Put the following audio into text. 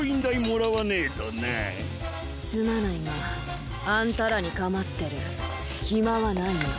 すまないがあんたらにかまってるひまはないよ。